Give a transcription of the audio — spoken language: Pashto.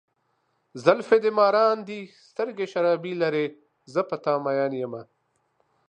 زلفې دې مارانو دي، سترګې شرابي لارې، زه په ته ماين یمه.